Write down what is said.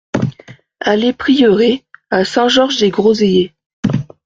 Allée Prieuré à Saint-Georges-des-Groseillers